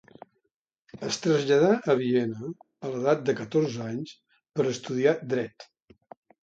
Es traslladà a Viena a l'edat de catorze anys per a estudiar Dret.